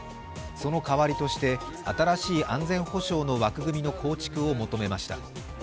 その代わりとして、新しい安全保障の枠組みの構築を求めました。